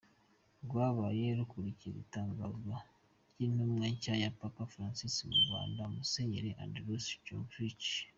Rwabaye rukurikira itangazwa ry’intumwa nshya ya Papa Francis mu Rwanda, Musenyeri Andrzej Jozwowicz.